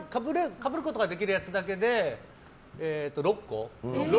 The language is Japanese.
かぶることができるやつだけで６個。